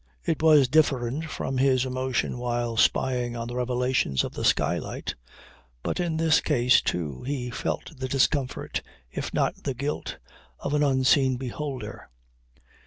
It was different from his emotion while spying at the revelations of the skylight, but in this case too he felt the discomfort, if not the guilt, of an unseen beholder.